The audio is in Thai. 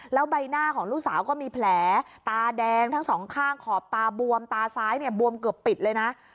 แล้วใบหน้าของลูกสาวก็มีแผลตาแดงทั้งสองข้างขอบตาบวมตาซ้ายเนี่ยบวมเกือบปิดเลยนะ